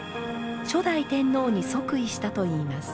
初代天皇に即位したといいます。